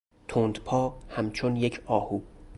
تندپا همچون یک آهو